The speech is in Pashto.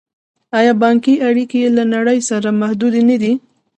آیا بانکي اړیکې یې له نړۍ سره محدودې نه دي؟